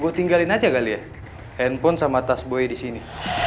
gue tinggalin aja kali ya handphone sama tas boy di sini